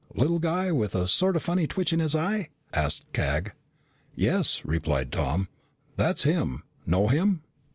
"Little guy, with a sort of funny twitch in his eye?" asked Cag. "Yes," replied Tom. "That's him. Know him?"